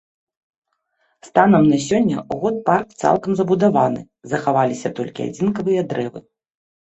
Станам на сёння год парк цалкам забудаваны, захаваліся толькі адзінкавыя дрэвы.